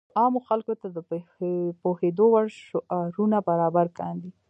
عامو خلکو ته د پوهېدو وړ شعارونه برابر کاندي.